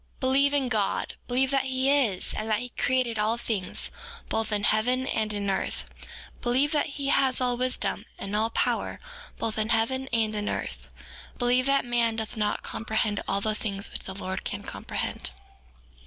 4:9 Believe in God; believe that he is, and that he created all things, both in heaven and in earth; believe that he has all wisdom, and all power, both in heaven and in earth; believe that man doth not comprehend all the things which the Lord can comprehend.